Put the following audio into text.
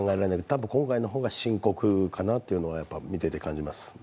多分、今回の方が深刻かなというのは見ていて感じます。